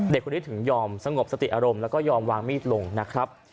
เด็กคนนี้ถึงยอมสงบสติอารมณ์แล้วก็ยอมวางมีดลงนะครับ